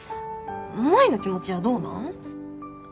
舞の気持ちはどうなん？